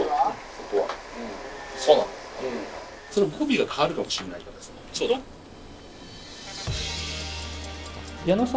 その語尾が変わるかもしんないからさ。